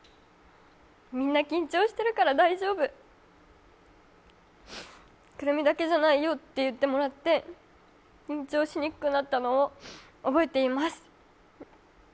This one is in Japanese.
みんな緊張してるから大丈夫、くるみだけじゃないよって言ってもらって緊張しにくくなったのを覚えています。